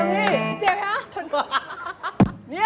โอ้โฮ